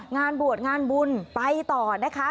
งานบวชงานบุญไปต่อนะคะ